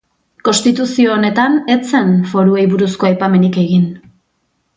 Konstituzio honetan, ez zen foruei buruzko aipamenik egin.